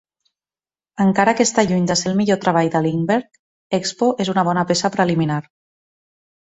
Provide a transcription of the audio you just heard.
Encara que està lluny de ser el millor treball de Lindberg, "Expo" és una bona peça preliminar